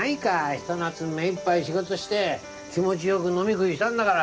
ひと夏目いっぱい仕事して気持ち良く飲み食いしたんだから。